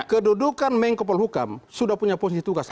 kedudukan menko polhukam sudah punya posisi tugas